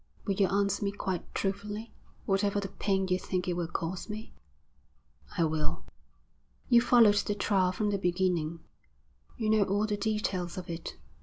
Will you answer me quite truthfully, whatever the pain you think it will cause me?' 'I will.' 'You followed the trial from the beginning, you know all the details of it.